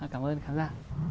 cảm ơn khán giả